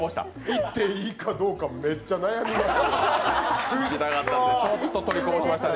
行っていいかどうか、めっちゃ悩みました。